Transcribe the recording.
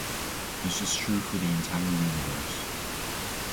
This is true for the entire universe.